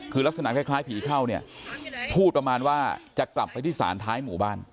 คือลักษณะคล้ายผีเข้าเนี่ยพูดประมาณว่าจะกลับไปที่ศาลท้ายหมู่บ้าน